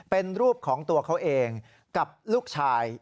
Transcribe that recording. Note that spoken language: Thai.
เป็นรูปของตัวเขาเองกับลูกชาย